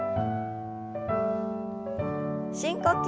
深呼吸。